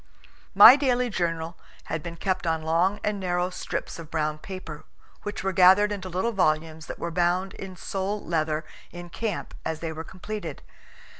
My daily journal had been kept on long and narrow strips of brown paper, which were gathered into little volumes that were bound in sole leather in camp as they were completed.